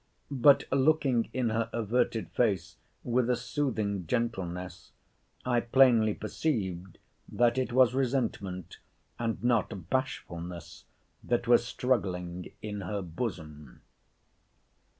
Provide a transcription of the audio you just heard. But, looking in her averted face with a soothing gentleness, I plainly perceived, that it was resentment, and not bashfulness, that was struggling in her bosom.